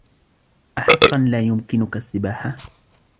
أحقاً لا يمكنك السباحة ؟